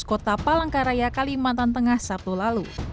kota palangkaraya kalimantan tengah sabtu lalu